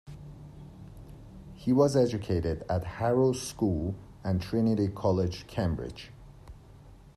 He was educated at Harrow School and Trinity College, Cambridge.